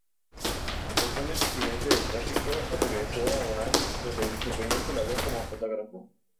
Tras un accidente de tráfico regresó a Orán donde desempeñó su labor como fotógrafo.